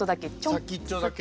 先っちょだけ？